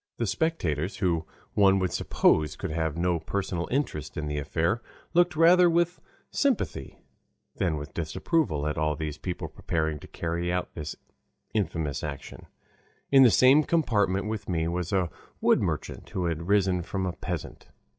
The spectators, who one would suppose could have no personal interest in the affair, looked rather with sympathy than with disapproval at all these people preparing to carry out this infamous action. In the same compartment with me was a wood merchant, who had risen from a peasant.